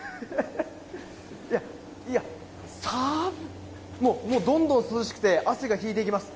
寒い、どんどん涼しくて汗が引いていきます。